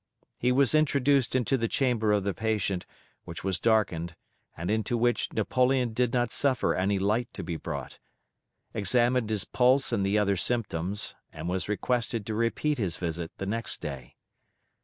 He was introduced into the chamber of the patient, which was darkened, and into which Napoleon did not suffer any light to be brought, examined his pulse and the other symptoms, and was requested to repeat his visit the next day.